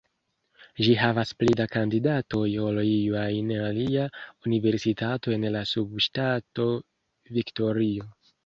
Ĝi havas pli da kandidatoj ol iu ajn alia universitato en la subŝtato Viktorio.